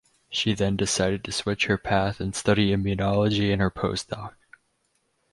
She then decided to switch her path and study immunology in her postdoc.